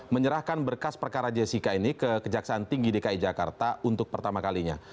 menyerahkan berkas perkara jessica ini ke kejaksaan tinggi dki jakarta untuk pertama kalinya